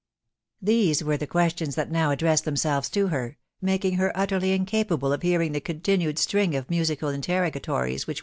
" These were the questions that now addressed tafc\os&s*% n» her, making her utterly incapable of hevtm% tafe wbaSss»r^ string of musical interrogatories which.